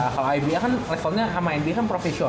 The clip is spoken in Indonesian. kalau ibl kan levelnya sama nba kan profesional